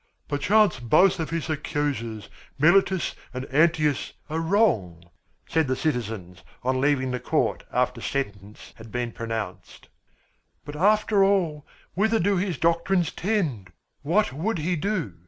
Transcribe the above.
"Perchance both of his accusers, Meletus and Anytus, are wrong," said the citizens, on leaving the court after sentence had been pronounced. "But after all whither do his doctrines tend? What would he do?